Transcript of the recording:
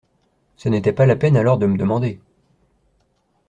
Ce n’était pas la peine alors de me demander…